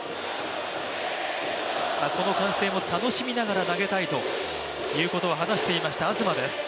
この歓声も楽しみながら投げたいということを話していました東です。